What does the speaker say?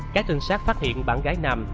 các trinh sát phát hiện bạn gái nam